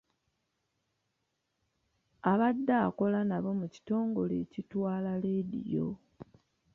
Abadde akola nabo mu kitongole ekitwala leediyo .